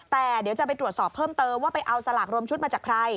แต่เดี๋ยวจะไปตรวจสอบเพิ่มเติมว่าไปเอาสลากรวมชุดมาจากใคร